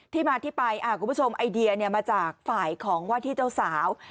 ที่มาที่ไปคุณผู้ชมไอเดียมาจากฝ่ายของว่าที่เจ้าสาว